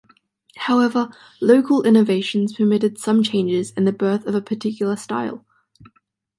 However, local innovations permitted some changes and the birth of a particular style.